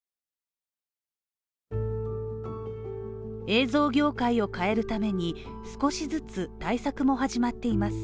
映像業界を変えるために少しずつ対策も始まっています。